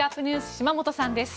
島本さんです。